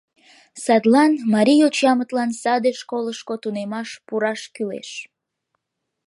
Садлан марий йочамытлан саде школышко тунемаш пураш кӱлеш.